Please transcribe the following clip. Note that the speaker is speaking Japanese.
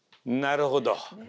なるほど。